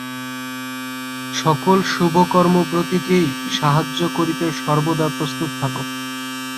সকল শুভকর্মব্রতীকেই সাহায্য করিতে সর্বদা প্রস্তুত থাক।